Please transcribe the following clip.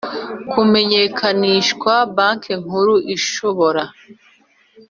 kumenyekanishwa Banki Nkuru ishobora